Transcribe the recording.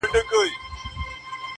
• ګړی وروسته په کلا کي خوشالي سوه -